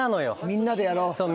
みんなでやろう。